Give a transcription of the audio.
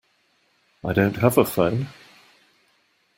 I don't have a phone.